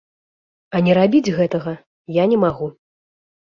А не рабіць гэтага я не магу.